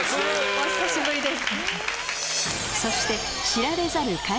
お久しぶりです。